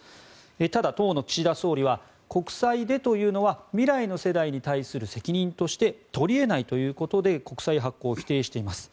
ただ、当の岸田総理は国債でというのは未来の世代に対する責任として取り得ないということで国債発行を否定しています。